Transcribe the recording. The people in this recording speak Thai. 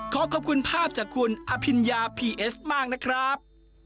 ขอขอบคุณภาพจากคุณอภิญญาพีเอสมากนะครับ